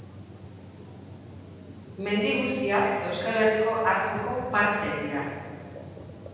Mendi guztiak Euskal Herriko arkuko parte dira.